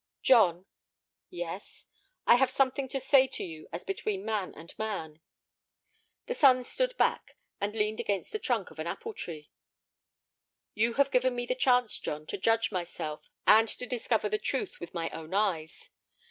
"John." "Yes." "I have something to say to you as between man and man." The son stood back, and leaned against the trunk of an apple tree. "You have given me the chance, John, to judge myself, and to discover the truth with my own eyes.